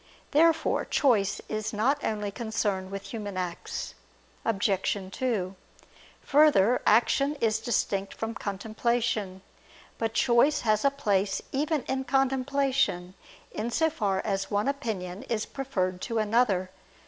Therefore choice is not only concerned with human acts. Obj. 2: Further, action is distinct from contemplation. But choice has a place even in contemplation; in so far as one opinion is preferred to another.